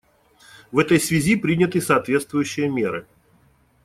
В этой связи приняты соответствующие меры.